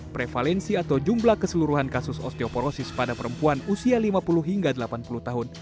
prevalensi atau jumlah keseluruhan kasus osteoporosis pada perempuan usia lima puluh hingga delapan puluh tahun